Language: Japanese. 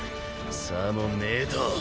さもねえと。